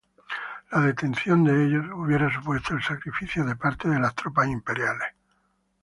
La detención de ellos hubiese supuesto el sacrificio de parte de las tropas imperiales.